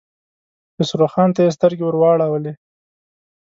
خسرو خان ته يې سترګې ور واړولې.